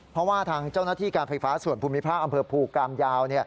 เพราะว่าทางเจ้าหน้าที่การไฟฟ้าส่วนภูมิภาคอำเภอภูกามยาว